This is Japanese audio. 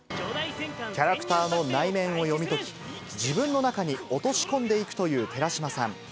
キャラクターの内面を読み解き、自分の中に落とし込んでいくという寺島さん。